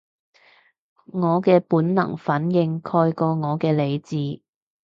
我嘅本能反應蓋過咗我嘅理智